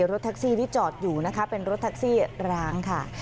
รถแท็กซี่นี่จอดอยู่นะคะเป็นรถแท็กซี่ร้างค่ะ